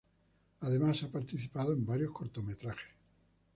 Además ha participado en varios cortometrajes.